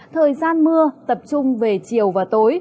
thời gian mưa tập trung về chiều và tối